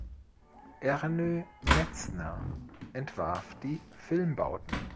Ernö Metzner entwarf die Filmbauten.